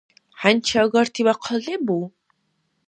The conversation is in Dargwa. ХӀянчи агарти бахъал лебу?